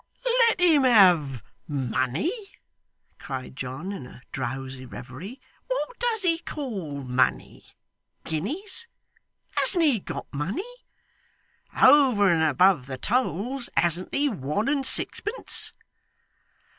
'Let him have money!' cried John, in a drowsy reverie. 'What does he call money guineas? Hasn't he got money? Over and above the tolls, hasn't he one and sixpence?